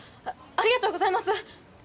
ありがとうございます！